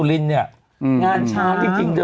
อเรนนี่